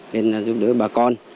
nên giúp đỡ bà con